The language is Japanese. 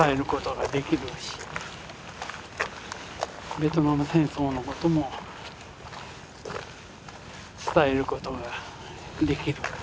ベトナム戦争のことも伝えることができる。